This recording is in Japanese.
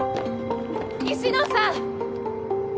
西野さん。